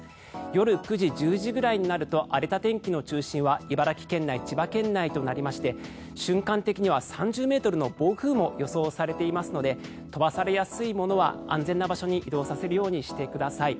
夜９時、１０時ぐらいになると荒れた天気の中心は茨城県内、千葉県内となりまして瞬間的には３０ｍの暴風も予想されていますので飛ばされやすいものは安全な場所に移動させるようにしてください。